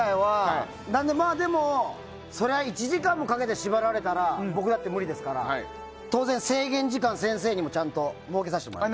でも、それは１時間もかけて縛られたら僕だって無理ですから当然、制限時間を先生にも設けさせてもらって。